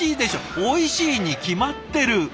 おいしいに決まってる！